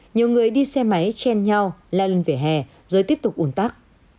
nhiều người đi xe máy chen nhau leo lên vỉa hè rồi tiếp tục ùn tắc